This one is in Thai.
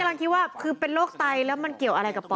กำลังคิดว่าคือเป็นโรคไตแล้วมันเกี่ยวอะไรกับปอ